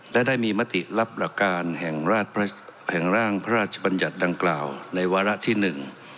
และได้มีมติรับหลักการแห่งราชแห่งร่างพระราชบัญญัติดังกล่าวในวาระที่หนึ่ง